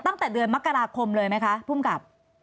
ตั้งแต่เดือนมกราคมเลยไหมคะภูมิกับ